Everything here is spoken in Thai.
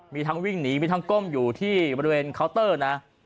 มีทั้งวิ่งหนีมีทั้งก้มอยู่ที่บริเวณเคาน์เตอร์นะ